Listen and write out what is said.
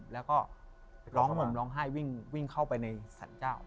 แล้วก็โรงผมรองห้ายวิ่งเข้าไปในศัลเจ้า